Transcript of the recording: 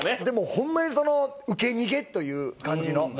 でもホンマにそのウケ逃げという感じの。